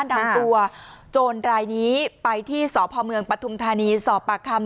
ดังตัวโจรรายนี้ไปที่สพเมืองปทุมธานีสปะค้ำ